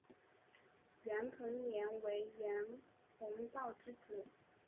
袁彭年为袁宏道之子。